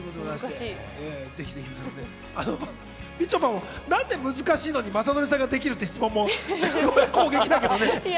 みちょぱも、何で難しいのに雅紀さんができる？っていうのもすごい攻撃だけどね。